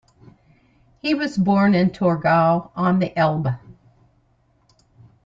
He was born in Torgau, on the Elbe.